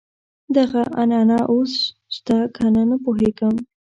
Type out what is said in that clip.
دغه عنعنه اوس شته کنه نه پوهېږم.